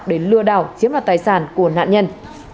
để lừa đảo chiếm đoạt tài sản của nạn nhân